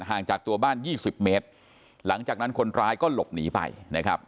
ห่างจากตัวบ้านยี่สิบเมตรหลังจากนั้นคนร้ายก็หลบหนีไปนะครับ